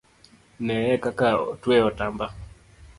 Neye kaka otweyo otamba